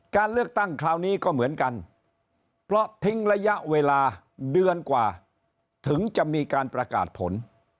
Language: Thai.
การเลือกตั้งคราวนี้ก็เหมือนกันเพราะทิ้งระยะเวลาเดือนกว่าถึงจะมีการประกาศผล